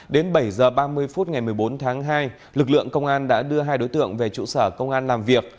đến bảy h ba mươi phút ngày một mươi bốn tháng hai lực lượng công an đã đưa hai đối tượng về trụ sở công an làm việc